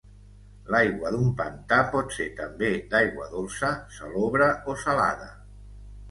L'aigua d'un pantà pot ser també d'aigua dolça, salobre o salada.